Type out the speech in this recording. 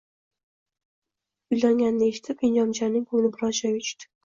Uylanganini eshitib, Inomjonning ko`ngli biroz joyiga tushdi